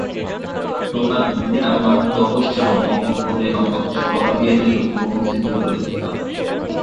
তোমার দিদি আমার তপস্যা ভঙ্গ করে আমাকে স্বর্গ হতে বঞ্চিত করেছেন।